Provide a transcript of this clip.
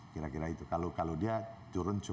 kira kira itu kalau dia turun cuma rp dua ratus